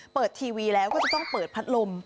เปิดทีวีแล้วก็ต้องเปิดพัดลม